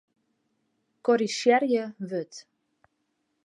Korrizjearje wurd.